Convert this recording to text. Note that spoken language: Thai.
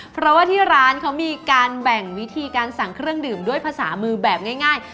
เพราะว่าที่ร้านเขามีการแบ่งวิธีการสั่งเครื่องดื่มด้วยภาษามือแบบง่าย